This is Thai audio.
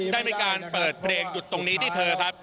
ได้มีการเปิดเพลงหยุดตรงนี้ที่เธอครับ